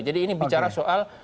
jadi ini bicara soal